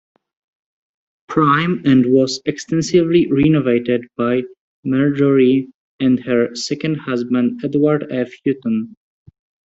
Prime and was extensively renovated by Marjorie and her second husband Edward F. Hutton.